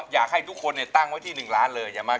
อยากให้ทุกคนตั้งไว้ที่๑ล้านเลย